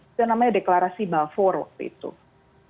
itu namanya deklarasi balfour